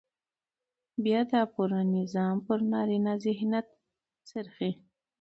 بيا دا پوره نظام پر نارينه ذهنيت څرخي.